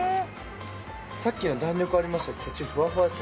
さっきのは弾力ありましたが、こっちはふわふわです。